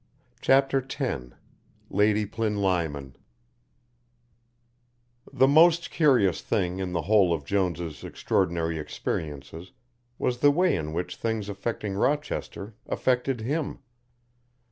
CHAPTER X LADY PLINLIMON The most curious thing in the whole of Jones' extraordinary experiences was the way in which things affecting Rochester affected him.